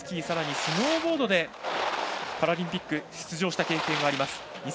さらにスノーボードでパラリンピックに出場した経験があります。